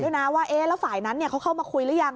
แล้วก็ถามด้วยนะว่าแล้วฝ่ายนั้นเขาเข้ามาคุยหรือยัง